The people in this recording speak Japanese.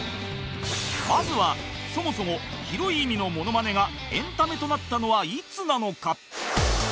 まずはそもそも広い意味のモノマネがエンタメとなったのはいつなのか？